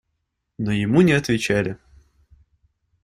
Но ему не отвечали.